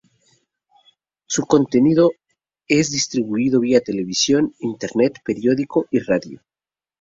Su contenido es distribuido vía televisión, internet, periódico y radio.